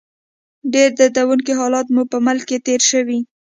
ډېر دردونکي حالتونه مو په ملک کې تېر شوي.